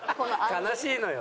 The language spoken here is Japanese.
悲しいのよ。